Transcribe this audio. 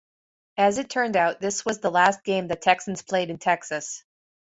As it turned out, this was the last game the Texans played in Texas.